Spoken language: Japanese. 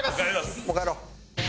もう帰ろう。